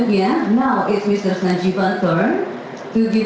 dalam kebutuhan yang dibutuhkan